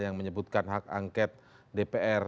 yang menyebutkan hak angket dpr